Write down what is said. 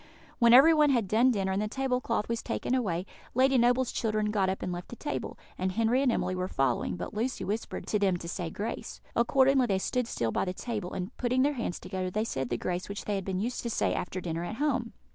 When everyone had done dinner and the table cloth was taken away, Lady Noble's children got up and left the table, and Henry and Emily were following, but Lucy whispered to them to say grace. Accordingly they stood still by the table, and, putting their hands together, they said the grace which they had been used to say after dinner at home.